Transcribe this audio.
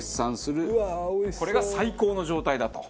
これが最高の状態だと。